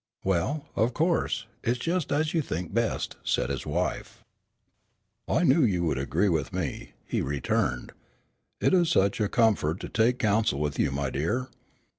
"Well, of course, it's just as you think best," said his wife. "I knew you would agree with me," he returned. "It's such a comfort to take counsel with you, my dear!"